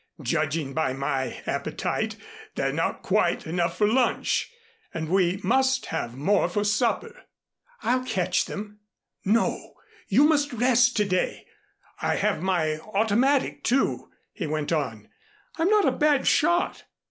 Judging by my appetite they're not quite enough for lunch and we must have more for supper." "I'll catch them." "No, you must rest to day. I have my automatic, too," he went on. "I'm not a bad shot.